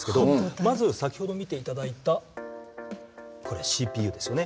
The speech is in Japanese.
まず先ほど見ていただいたこれＣＰＵですよね。